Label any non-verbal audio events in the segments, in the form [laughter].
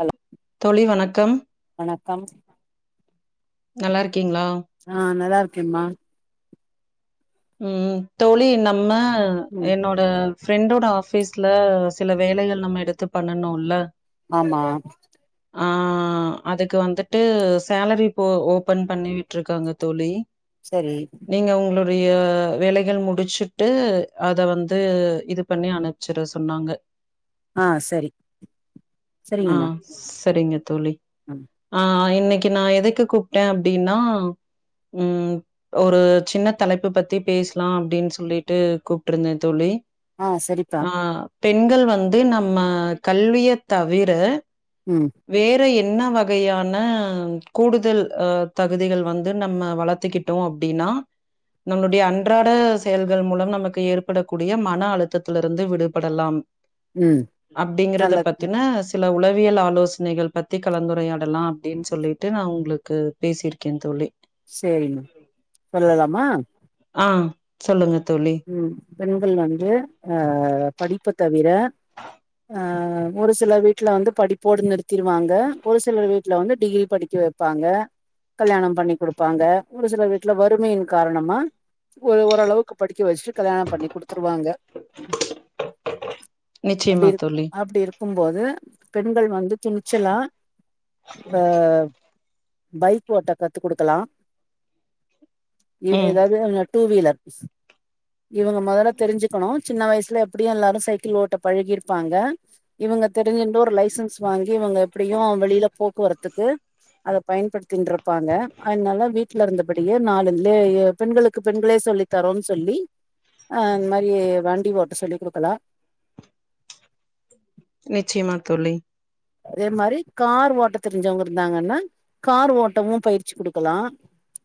Hello தோழி வணக்கம் வணக்கம் நல்லா இருக்கீங்ளா ஆ நல்லா இருக்கேம்மா ம் தோழி நம்ம ம் என்னோட ஃப்ரெண்டோட ஆபீஸ்ல சில வேலைகள் நம்ம எடுத்து பண்ணனோல ஆமா ஆ ஆ அதுக்கு வந்துட்டு சேலரி போ ஓபன் பண்ணி விட்டுருக்காங்க தோழி செரி நீங்க உங்களோட ய வேலைகள் முடிச்சுட்டு அத வந்து இது பண்ணி அனுச்சிட சொன்னாங்க ஆ செரி செரிங்கம்மா செரிங்க தோழி ஆ இன்னைக்கு நா எதுக்கு கூப்ட அப்டின்னா ம் ஒரு சின்ன தலைப்பு பத்தி பேசலா அப்படின் சொல்லிட்டு கூப்ட்டு இருந்த தோழி ஆ சரிப்பா ஆ பெண்கள் வந்து நம்ம கல்விய தவிர ம் வேற என்ன வகையான கூடுதல் தகுதிகள் வந்து நம்ம வளர்த்துக்கிட் ட்டோ அப்டின்னா நம்மளுடைய அன்றாட செயல்கள் மூலம் நமக்கு ஏற்படக்கூடிய மன அழுத்தத்துல இருந்து விடுபடலாம் ம் அப்பங்கறத நல்லது பத்தின சில உளவியல் ஆலோசனைகள் பத்தி கலந்துரையாடலா அப்டின்னு சொல்லிட்டு நா உங்களுக்கு பேசிருக்கே தோழி சேரிமா உரலலாமா ஆ சொல்லுங்க தோழி ம் பெண்கள் வந்து அ படிப்ப தவிர அ ஒரு சில வீட்ல வந்து படிப்போட நிறுத்திருவாங்க ஒரு சில வீட்ல வந்து டிகிரி படிக்க வைப்பாங்க கல்யாணம் பண்ணி குடுப்பாங்க ஒரு சில வீட்ல வறுமையின் காரணமா ஒரு ஓரளவுக்கு படிக்க வச்சுட்டு கல்யாணம் பண்ணி குடுத்துருவாங்க அப்டி நிச்சயமா இரு தோழி. அப்டி இருக்கும் போது பெண்கள் வந்து துணிச்சலா வெ பைக் ஓட்ட கத்து குடுக்கலா எ ம். எதாவது அந்ந டூ வீலர் இவங்க மொதல்ல தெரிஞ்சுக்கணு சின்ன வயசுல எப்டியு எல்லாரு சைக்கிள் ஓட்ட பழகிருப்பாங்க இவங்க தெரிஞ்சுன்ட்டு ஒரு லைசன்ஸ் வாங்கி இவங்க எப்டியு வெளியில போக்குவரத்துக்கு அத பயன்படுத்தின்டுருப்பாங்க அதனால வீட்ல இருந்தபடியே நாலுலே எ பெண்களுக்கு பெண்களே சொல்லி தரோன்னனு சொல்லி அ இந்த மாரி வண்டி ஓட்ட சொல்லி குடுக்கலா நிச்சயமா தோழி அதே மாரி கார் ஓட்ட தெரிஞ்சவங்க இருந்தாங்கன்னா கார் ஓட்டவும் பயிற்சி குடுக்கலா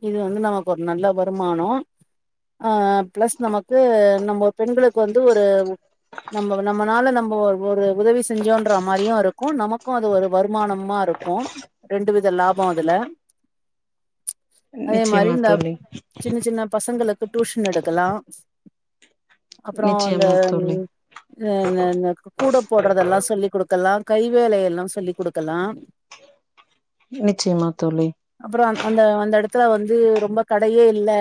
இது வந்து நமக்கு ஒரு நல்ல வருமானோ ஆ பிளஸ் நமக்கு நம்ம பெண்களுக்கு வந்து ஒரு நம்ம நம்மனால நம்ம ஒரு உதவி செஞ்சோன்ற மாரியு இருக் க்கு நமக்கு அது ஒரு வருமானமா இருக்கு ரெண்டு வித லாபோ அதுல அதே மாரி நிச்சயமா இந்த தோழி. சின்ன சின்ன பசங்களுக்கு டூஷன் எடுக்கலா அப்பறோ இந்த நிச்சயமா தோழி. ம் அ இந்தந்த கூ கூட போடுறதெல்லா சொல்லி் குடுக்கலா கை வேலையெல்லாம் சொல்லி குடுக்கலா நிச்சயமா தோழி அப்பறோ அந்த அந்த எடத்துல வந்து ரொம்ப கடையே இல்ல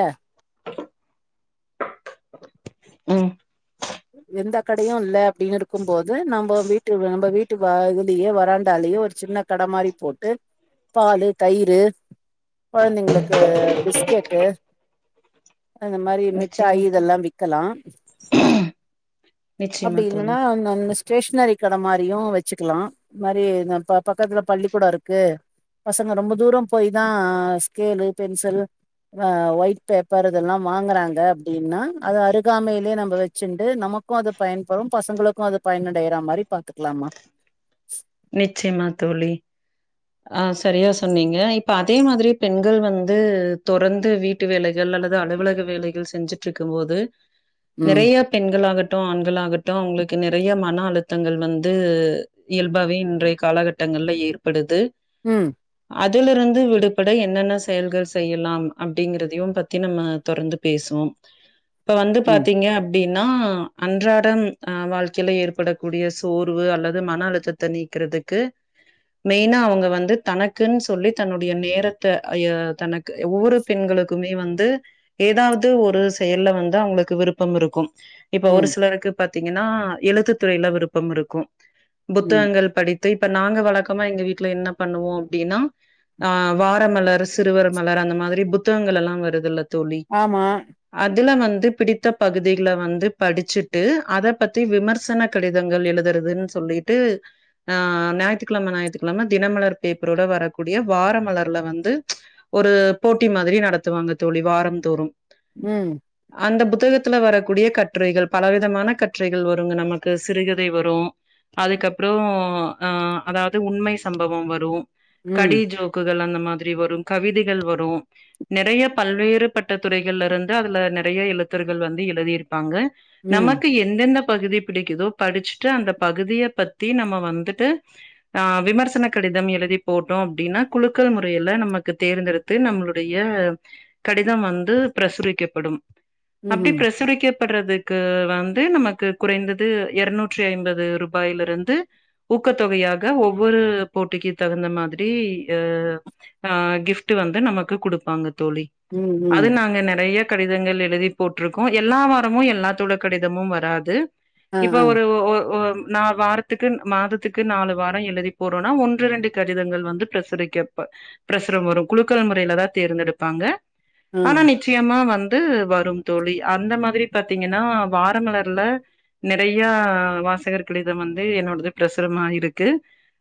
ம் எந்த கடையு இல்ல அப்டின்னு இருக்கும்போது நம்ப வீட்டு நம்ப வீட்டு வ இதுலயே வராண்டாலேயே ஒரு சின்ன கடை மாரி போட்டு பாலு தயிர் கொழந்தைங்களுக்கு பிஸ்கெட்டு அந்த மாரி நிச்சயமா மிட்டாய் இதெல்லா தோழி விக்கலா நிச்சயமா அப்டி தோழி இல்லன்னா ந ந்த ஸ்டேஷனரி கட மாரியு வச்சுக்கலா மாரி இந்த ப பக்கத்துல பள்ளிக்கூடோ இருக்கு பசங்க ரொம்ப தூரோம் போய்தா ஸ்கேலு பென்சில் அ ஒயிட் பேப்பர் இதெல்லா வாங்குறாங்க அப்டின்னா அது அருகாமையிலே நம்ப வச்சு ந்து நமக்கு அது பயன்படு பசங்களுக்கு அது பயனடைற மாரி பாத்துக்கலாமா நிச்சயமா தோழி ஆ சரியா சொன்னீங்க இப்ப அதே மாதிரி பெண்கள் வந்து தொறந்து வீட் ட்டு வேலைகள் அல்லது அலுவலக வேலைகள் செஞ்சுட்டு இருக்கும் போது ம் நெறைய பெண்களாகட்டு ஆண்களாகட்டு அவங்களுக்கு நெறைய மன அழுத்தங்கள் வந்து இயல்பாவே இன்றைய காலகட்டங்கள்ல ஏற்படுது ம் அதுலருந்து விடுபட என்னென்ன செயல்கள் செய்யலாம் அப்டிங்கறதையு பத்தி நம்ம தொடர்ந்து பேசுவோம் இப்ப வந்து ம் பாத்தீங்க அப்டின்னா அன்றாடம் அ வாழ்க்கையில ஏற்படக்கூடிய சோர்வு அல்லது மன அழுத்தத்த நீக்குறது க்கு மெயினா அவுங்க வந்து தனக்குன்னு சொல்லி தன்னுடைய நேரத்த அ ய தனக்கு ஒவ்வொரு பெண்களுக்குமே வந்து ஏதாவது ஒரு செயல்ல வந்து அவுங்களுக்கு விருப்பம் இருக்கும். இப்ப ஒரு ம் சிலருக்கு பாத்தீங்கன்னா எழுத்து துறையில விருப்பம் இருக்கும் ம் புத்தகங்கள் படி தை இப்ப நாங்க வழக்கமா எங்க வீட்ல என்ன பண்ணுவோ அப்டின்னா ஆ வாரமலர் சிறுவர் மலர் அந்த மாதிரி புத்தகங்கலெல்லா வருதுல்ல தோழி ஆமா அதுல வந்து பிடித்த பகுதிகளை வந்து படிச்சுட்டு அத பத்தி விமர்சன கடிதங்கள் எழுதரதுன்னு சொல்லிட்டு அ ஞாயித்துக்கிழம ஞாயித்துக்கிழம தினமலர் பேப்பரோட வரக்கூடிய வாரமலர்ல வந்து ஒரு போட்டி மாதிரி நடத்துவாங்க தோழி வாரம் தோறும் ம் அந்த புத்தகத்துல வரக்கூடிய கட்டுரைகள் பலவிதமான கட்டுரைகள் வருங்க நமக்கு சிறுகதை வரு அதுக்கப்புறோ அ அதாவது உண்மை சம்பவம் வரும் ம் கடி ஜோக் க்குகள் அந்த மாதிரி வரும் கவிதைகள் வரு நிறைய பல்வேறுப்பட்ட துறைகள்ல இருந்து அதுல நிறைய எழுத்தறுகள் வந்து எழுதிரு ப்பாங்க ம் நமக்கு எ எந்தெந்த பகுதி பிடிக்குதோ படிச்சுட்டு அந்த பகுதிய பத்தி நம்ம வந்துட்டு ஆ விமர்சன கடி தம் எழுதி போட்டோ அப்டின்னா குலுக்கள் முறையில நமக்கு தேர்ந்தெடுத்து நம்மளுடைய கடிதம் வந்து பிரசுரிக்கப்படும் அப்படி ம்ஹும் பிரசுரிக்கப்படுறது க்கு வந்து நமக்கு குறைந்தது இருநூற்றி ஐம்பது ரூபாயில இருந்து ஊக்கத்தொகையாக ஒவ்வொரு போட்டிக்கு தகுந்த மாதிரி அ ஆ கிஃப்ட்டு வந்து நமக்கு குடுப்பாங்க தோழி ம் ம் அது நாங்க நறைய கடிதங்கள் எழுதி போட்ரூக்கோ எல்லா வாரமு எல்லாத்தோட கடிதமு வராது ஆ இப்ப ஆ ஒரு ஒ ஒ நா வாரத்துக்கு மாதத்துக்கு நாலு வாரோ எழுதி போ ட்டோனா ஒன்று ரெண்டு கடிதங்கள் வந்து பிரசுரிக்கப்ப பிரசுரம் வரும் குலுக்கள் முறையில தான் தேர்ந்தெடுப்பாங்க ஆ ஆனா நி நிச்சயமா வந்து வரும் தோழி அந்த மாதிரி பாத்தீங்கன்னா வாரமலர்ல நிறையா வாசகர்கள் கடிதம் வந்து என்னோடது பிரசுரம் ஆயிருக்கு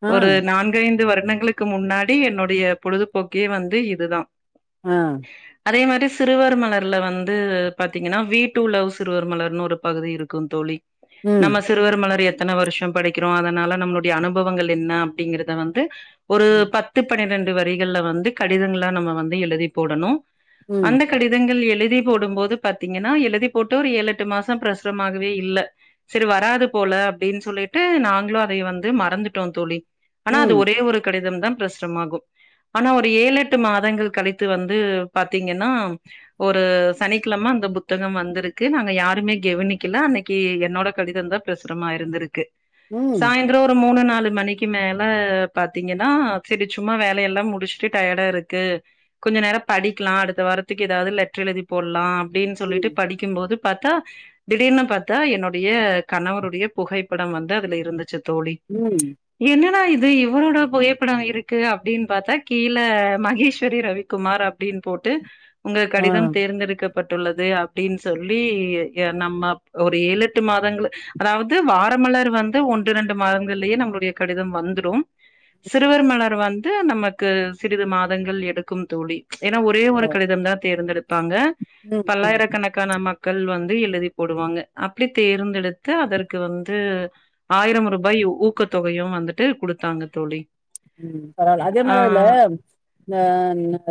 ஆ ஒரு நான்கைந்து வருடங்களுக்கு முன்னாடி என்னுடைய பொழுதுபோக்கே வந்து இதுதா ஆ அதே மாரி சிறுவர் மலர்ல வந்து பாத்தீங்கன்னா வீட்டு உலவு சிறுவர் மலர்னு ஒரு பகுதி இரு க்கு தோழி ம் நம்ம சிறுவர் மலர் எத்தன வருஷோ படிக்கிறோ அதனால நம்மளுடைய அனுபவங்கள் என்ன அப்டிங்கறத வந்து ஒரு ம் பத் து பனிரெண்டு வரிகள்ல வந்து கடிதங்களலா நம்ம வந்து எழுதி போடணு ம். அந்த கடிதங்கள் எழுதி போடும் போது பாத்தீங்கன்னா எழுதி போட்டு ஒரு ஏழு எட்டு மாசோ பிரசுரமாகவே இல்ல சரி வராது போல அப்டின்னு சொல்லிட்டு நாங்களும் அதை வந்து மறந்து ட்டோ தோழி ஆனா அது ம் ஒரே ஒரு கடிதம்தா பிரசுரமாகு ஆனா ஒரு ஏழு எட்டு மாதங்கள் கழித்து வந்து பாத்தீங்கன்னா ஒரு சனிக்கிழம அந்த புத்தகம் வந்திருக்கு நாங்க யாருமே கெவுனிக்கல அன்னைக்கு என்னோட கடிதந்தா பிரசுரமா இருந்துருக்கு ம் சாய்ந்தரோ ஒரு மூனு நாலு மணிக்கு மேல பாத்தீங்கன்னா செரி சும்மா வேலயெல்லா முடிச்சுட்டு டயர்டாருக்கு கொஞ்ச நேரோ படிக்லா அடுத்த வாரத்துக்கு எதாவ்து லெட்ரு எழுதி போட்லா அப்டின் சொல்லிட்டு ம் படிக்கும்போது பாத்தா திடீர்னு பாத்தா என்னுடைய கணவருடைய புகைப்படம் வந்து அதுல இருந்துச்சு தோழி ம் என்னடா இது இவரோட புகைப்படம் இருக்கு அப்டின் பாத்தா கீழ மகேஸ்வரி ரவிக்குமார் அப் டின் போட்டு உங்க ஆ கடிதம் தேர்ந்தெடுக்க பட்டுள்ளது அப்டின் சொல்லி ய நம்ம ஒரு ஏழு எட்டு மாதங்ளு அதாவ்து வாரமலர் வந்து ஒன்று ரெண்டு மாதங்கள்லயே நம்ளுடைய கடிதம் வந்துடு சிறுவர் மலர் வந்து நமக்கு சிறிது மாதங்கள் எடுக்கும் தோழி ஏனா ஒரே ஒரு ஓ. கடிதம் தா தேர்ந்தெடுப்பாங்க ம் ம் பல்லாயிரக்கணக் கான மக்கள் வந்து எழுதி போடுவாங்க அப்டி தேர்ந்தெடுத்து அதற்கு வந்து ஆயிரம் ரூபாய் ஊக்கத்தொகையு வந்துட்டு குடுத்தாங்க தோழி ம் பரவால்ல அதே ஆ மாரி அதுல ந நா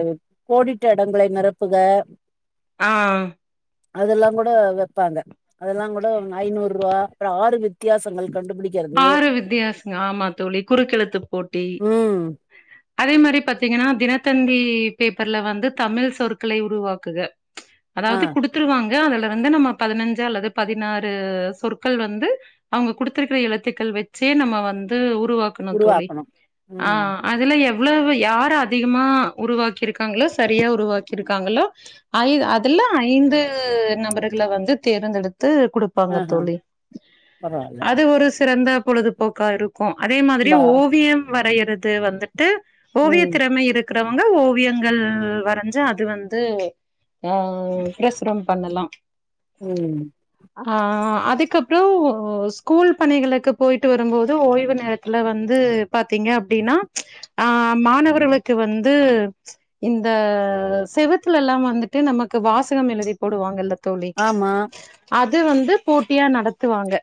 கோடிட்ட எடங்களை நெரப்புக ஆ அதெல்லா கூட வெப்பாங்க அதெல்லா கூட ஐநூறு ரூவா அப்றோ ஆறு வித்தியாசங்கள் கண்டுபிடி ஆறு வித்தியாசங்க ஆமா தோழி குறுக்கெழுத்து போட்டி ம் அதே மாரி பாத்தீங்கன்னா தினத்தந்தி பேப்பர்ல வந்து தமிழ் சொற்களை உருவாக்குக ஆ அதாவ்து குடு த்துருவாங்க அதுல வந்து நம்ம பதினஞ்சு அல்லது பதினாறு சொற்கள் வந்து அவுங்க குடுத்திருக்கிற எழுத்துக்கள் வச்சே நம்ம வந்து உருவாக்கணு தோழி உருவாக்கணு ஆ ம் அதுல எவ்ளவு யார் அதிகமா உருவாக்கிருக்காங்ளோ சரியா உருவாக்கிருக்காங்ளோ ஐ அதுல ஐந்து நபர்கள வந்து தேர்ந்தெடுத்து குடு ப்பாங்க ஆஹா தோழி பரவால்ல அது ஒரு சிறந்த பொழுதுபோக்காரு க்கு அதே மாதிரி பா ஓவியம் வரையறது வந்துட்டு ஓவிய ம் திறமை இரு க்றவங்க ஓவியங்கள் வரஞ்சா அது வந்து ஆ பிரசுரம் பண்ணலா ம் ஆ அதுக்கப்றோ ஸ்கூல் பணிகளுக்கு போய்ட்டு வரும்போது ஓய்வு நேரத்துல வந்து பாத்தீங்க அப்டின்னா ஆ மாணவர்வக்கு வந்து இந்த செவத்துலல்லா வந்துட்டு நமக்கு வாசகம் எழுதி போடுவாங்கல்ல தோழி ஆமா அது வந்து போட்டியா நடத்துவாங்க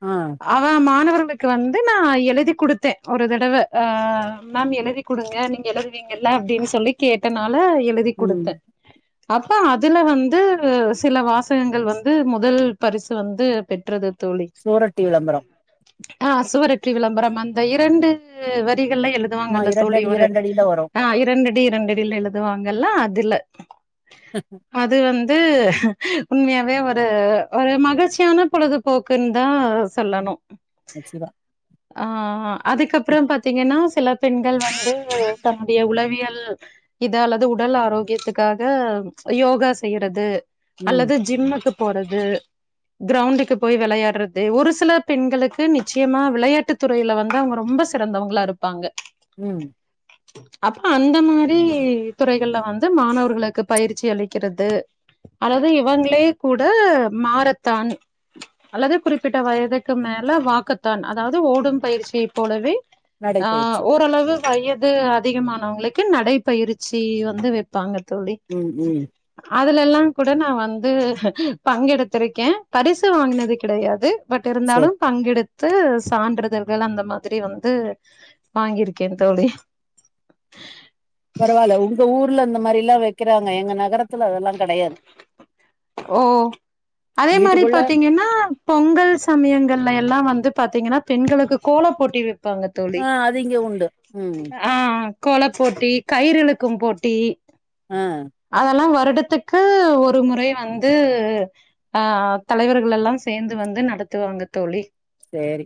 ஆ அவே மாணவர்களுக்கு வந்து நா எழுதி குடுத்தே ஒரு தடவ ஆ மேம் எழுதி குடுங்க நீங்க எழுதுவீங்கல்ல அப்டின் சொல்லி கேட்டனால எழுதி ம் குடுத்தே அப்ப அதுல வந்து சில வாசகங்கள் வந்து முதல் பரிசு வந்து பெற்றது தோழி சுவரொட்டி விளம்பர ஆ சுவரொட்ரி விளம்பரம் அந்த இரண்டு வரிகள்ல எழு ஆமா துவாங்கல்ல தோழி இரண்டடி ஒரு இரண்டடில வரு ஆ இரண்டடி இரண்டடில எழுதுவாங்கல்ல அதுல [unintelligible] அது வந்து உண்மயாவே ஒரு ஒரு மகிழ்ச்சியான பொழுதுபோக்குன் தா சொல்லணு நிச்சிமா ஆ அதுக்கப்றோ பாத்தீங்கன்னா சில பெண்கள் வந்து தன்னுடைய உளவியல் இது அல்லது உடல் ஆரோக்கியத்துக்காக யோகா செய்யறது ம் அல்லது ஜிம்முக்கு போறது கிரௌண்டுக்கு போய் வெளையாடுறது ஒரு சில பெண்களுக்கு நிச்சயமா விளையாட்டு துறையில வந்து அவுங்க ரொம்ப சிறந்தவங்களா இருப்பாங்க ம் அ [unintelligible] அப்றோ அந்த மாரி துறைகள்ல வந்து மாணவர்களுக்கு பயிற்சி அளிக்கிறது அதாவது இவங்களே கூட மாறத்தான் அல்லது குறிப்பி ட்ட வயதுக்கு மேல வாக்கத்தான் அதாவது ஓடும் பயிற்சியை போலவே ஆ நடைப்பயிற்சி ஓரளவு வயது அதிகமானவங்களுக்கு நடை பயிற்சி வந்து வெப்பாங்க தோழி ம் ம் அதுல எல்லாங் கூட நா வந்து பங்கெடுத்திருக்கேன் பரிசு வாங்கினது கிடையாது பட் சரி இருந்தாலு பங்கெடு த்து சான்றிதழ்கள் அந்த மாரி வந்து வாங்கிருக்கேன் தோழி பரவால்ல உங்க ஊர்ல அந்த மாரி எல்லா வெக்கறாங்க எங்க நகரத்துல அதெல்லாங் கெடையாது ஓ அதே மாரி வீட்டுக்குள்ள பாத்தீங்கன்னா பொங்கல் சமயங்கள்ல எல்லா வந்து பாத்தீங்கன்னா பெண்களுக்கு கோல போட்டி வெப்பாங்க தோழி ஆ அது இங்க உண்டு ம் ஆ கோலபோட்டி கயிறு இழுக்கும் போட்டி அ அதெல்லா வருடத்துக்கு ஒரு முறையா வந்து ஆ தலைவர்கள் எல்லா சேந்து வந்து நடத்துவாங்க தோழி சேரி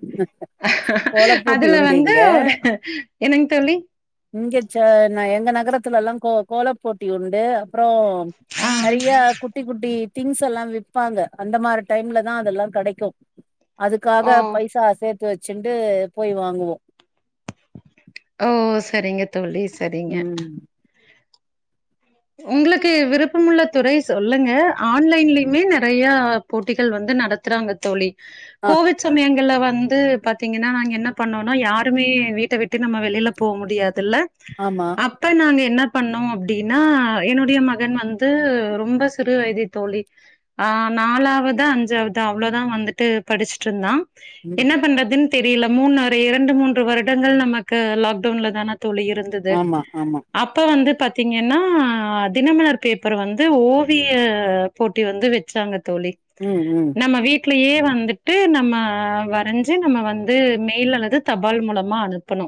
கோல போட்டி அதுல உண்டு வந்து இங்க ஒரு என்னங் தோழி இங்க ச எங்க நகரத்துல எல்லா கோ கோல போட்டி உண்டு அப்றோ ஆ. நெறயா குட்டி குட்டி திங்ஸ் எல்லா விப்பாங்க அந்த மாரி டைம்லதா அதெல்லா கெடைக்கு ஓ. அதுக்காக பைசா சேத்து வெச்சுன்டு போய் வாங்குவோ ஓ சரிங்க தோழி சரிங்க ம் உங்களுக்கு விருப்பமுள்ள துறை சொல்லுங்க ஆன்லைன்லயுமே நெறையா போட்டிகள் வந்து நடத்துறாங்க தோழி ஆ கோவிட் சமயங்கள்ல வந்து பாத்தீங்கன்னா நாங்க என்ன பண்ணோனா யாருமே வீட்ட வி ட்ட நம்ம வெளில போக முடியாதில்ல ஆமா அப்ப நாங்க என்ன பண்ணோ அப்டின் னா என்னுடைய மகன் வந்து ரொம்ப சிறு வயது தோழி ஆ நாலாவது அஞ்சாவது அவ்ளதா வந்துட்டு படிச்சிட்டு இந்தான் ம் என்ன பண்றதுன் தெரல மூண் ஒரு இரண்டு மூன்று வருடங்கள் நமக்கு லாக்டவுன்லதான தோழி இரு ந்துது ஆமா ஆமா அப்ப வந்து பாத் தீங்கன்னா தினமலர் பேப்பர் வந்து ஓவிய போட்டி வந்து வெச்சாங்க தோழி ம் ம் நம்ம வீட்லயே வந்துட்டு நம்ம வரைஞ்சு நம்ம வந்து மேல் அல்லது தபால் மூலமா அனுப்பணு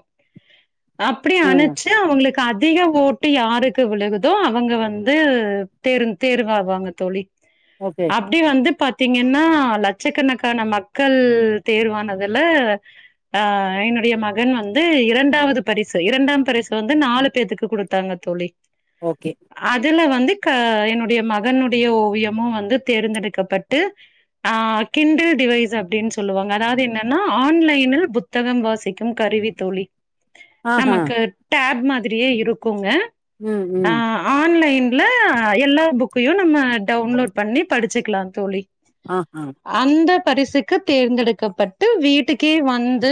அப்டி ம் அனுப்ச்சு அவுங்களுக்கு அதிக ஓட்டு யாரு க்கு விழுகுதோ அவுங்க வந்து தேர் தேர்வாவாங்க தோழி ஓகே அப்டி வந்து பாத் தீங்கனா லட்சக்கணக்கான மக்கள் தேர்வானதுல ஆ என்னுடைய மகன் வந்து இரண்டாவது பரிசு இரண்டாம் பரிசு வந்து நாலு பேத்துக்கு குடு தாங்க தோழி ஓகே அதுல வந்து க என்னுடைய மகனுடைய ஓவியமு வந்து தேர்ந்தெடுக்கப்பட்டு ஆ கிண்டில் டிவைஸ் அப்டின் சொல்லுவாங்க அதாது என்னன்னா ஆன்லைனில் புத் தகம் வாசிக்கும் கருவி தோழி ஆஹா நமக்கு டேப் மாதிரியே இருக்குங்க ம் ஆ ம் ஆன்லைன்ல எல்லா புக்கையு நம்ம டவுன்லோட் பண்ணி படிச்சுக்லா தோழி ஆ அ அந்த பரிசுக்கு தேர்ந்தெடுக்கப்பட்டு வீட்டுக்கே வந்து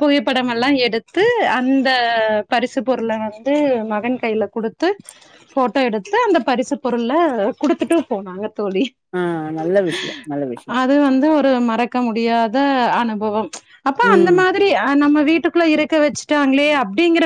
புகைப்படமெல்லா எடு த்து அந்த பரிசு பொருள வந்து மகன் கைல குடுத்து ஃபோட்டோ எடுத்து அந்த பரிசு பொருள குடுத்துட்டு போனாங்க தோழி ஆ நல்ல விஷ்யோ நல்ல விஷ்யோ அது வந்து ஒரு மறக்க முடியாத அனுபவம் அப்ப அந்த ம் மா திரி நம்ம வீட்டுக்குள்ள இருக்க வச்சுட்டாங்களே அப்டிங்கிற